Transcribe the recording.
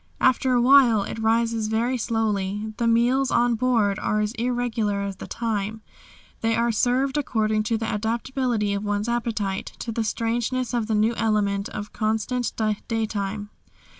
After a while it rises very slowly. The meals on board are as irregular as the time; they are served according to the adaptability of one's appetite to the strangeness of the new element of constant daytime.